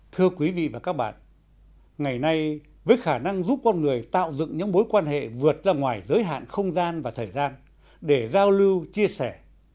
thưa quý vị và các bạn ngày nay với khả năng giúp con người tạo dựng những bối quan hệ vượt ra ngoài giới hạn không gian và thời gian để giao lưu chia sẻ